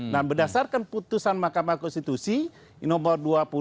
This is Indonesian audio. nah berdasarkan putusan mahkamah konstitusi nomor dua puluh